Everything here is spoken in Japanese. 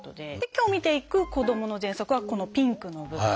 今日見ていく「子どものぜんそく」はこのピンクの部分。